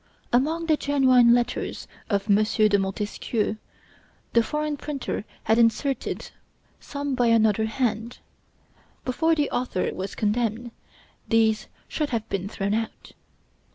Among the genuine letters of M. de Montesquieu the foreign printer had inserted some by another hand. Before the author was condemned, these should have been thrown out.